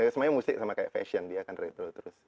semuanya musik sama kayak fashion dia kan riddle terus